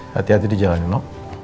hati hati di jalani no